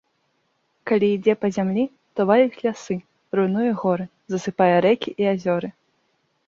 Калі ідзе па зямлі, то валіць лясы, руйнуе горы, засыпае рэкі і азёры.